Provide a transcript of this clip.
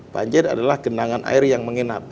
banjir adalah genangan air yang menginap